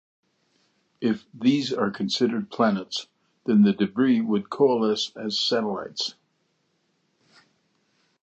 If these are considered planets, then the debris would coalesce as satellites.